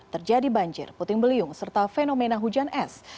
terjadi banjir puting beliung serta fenomena hujan es